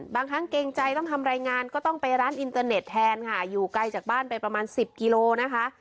บางครั้งเกรงใจต้องทำรายงานก็ต้องไปร้านอินเตอร์เน็ตแทนค่ะอยู่ไกลจากบ้านไปประมาณสิบกิโลนะคะ